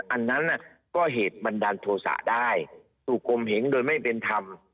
อันนั้นก็เหตุบันดาลโทษะได้ถูกคมเหงโดยไม่เป็นธรรม